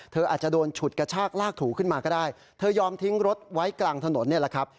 อาจจะโดนฉุดกระชากลากถูขึ้นมาก็ได้เธอยอมทิ้งรถไว้กลางถนนนี่แหละครับ